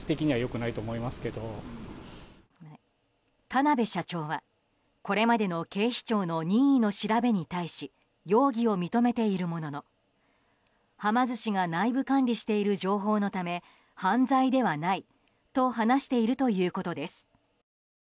田邊社長はこれまでの警視庁の任意の調べに対し容疑を認めているもののはま寿司が内部管理している情報のため犯罪ではないと話しているということです。